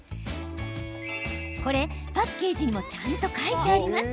これ、パッケージにもちゃんと書いてあります。